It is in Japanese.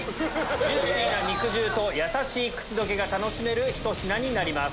ジューシーな肉汁とやさしい口溶けが楽しめるひと品になります。